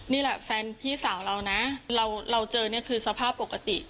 นี่แหละแฟนพี่สาวเรานะเราเจอเนี่ยคือสภาพปกติ